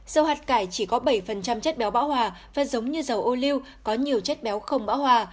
dầu hạt cải chỉ có bảy chất béo bão hòa và giống như dầu ô lưu có nhiều chất béo không bão hòa